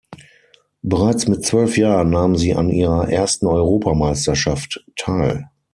Bereits mit zwölf Jahren nahm sie an ihrer ersten Europameisterschaft teil.